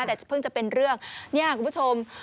แต่เพิ่งจะเป็นเรื่องเนี่ยคุณผู้ชม